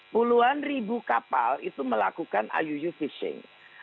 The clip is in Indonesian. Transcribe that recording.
puluhan ribu kapal itu melakukan iuu fishing